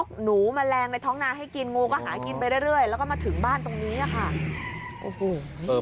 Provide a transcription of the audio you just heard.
เจ้าของบ้านเขาบอกแบบนี้